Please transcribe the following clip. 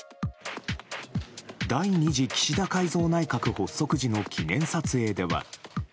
第２次岸田改造内閣発足時の記念撮影では。